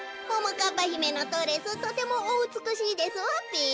かっぱひめのドレスとてもおうつくしいですわべ。